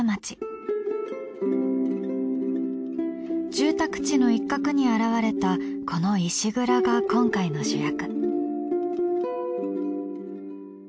住宅地の一角に現れたこの石蔵が今回の主役。